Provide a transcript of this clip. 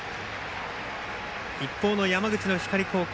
一方の山口の光高校。